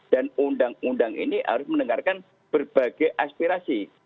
dan undang undang ini harus mendengarkan berbagai aspirasi